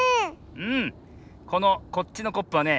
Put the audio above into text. このこっちのコップはね。